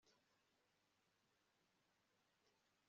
Kuki ubona ko ibyabaye ari ngombwa